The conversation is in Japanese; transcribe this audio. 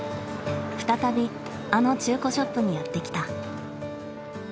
再びあの中古ショップにやって来た。